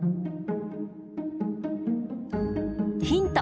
ヒント！